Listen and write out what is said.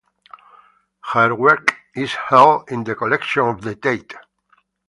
Her work is held in the collection of the Tate.